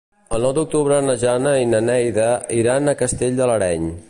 El nou d'octubre na Jana i na Neida iran a Castell de l'Areny.